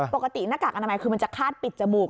ปกติหน้ากากอนามัยคือมันจะคาดปิดจมูก